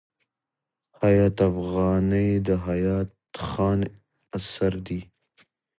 حیات افغاني د حیات خان اثر دﺉ.